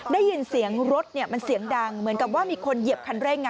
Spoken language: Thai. ได้ยินเสียงรถมันเสียงดังเหมือนกับว่ามีคนเหยียบคันเร่ง